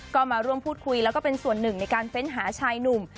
ก็มาร่วมพูดคุยแล้วก็เป็นส่วนหนึ่งในการเฟ้นหาชายหนุ่ม